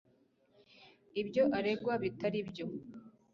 ibyo aregwa bitari byo.